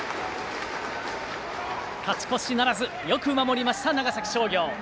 勝ち越しならずよく守りました、長崎商業。